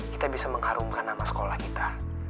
kita bisa mengharumkan nama sekolah kita